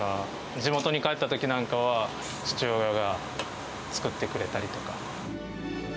地元に帰ったときなんかは、父親が作ってくれたりとか。